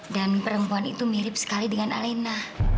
dan perempuan itu mirip sekali dengan alina